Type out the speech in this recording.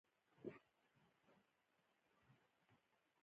دا د دوه بې دندې سړو او یو خوب یوځای کیدل وو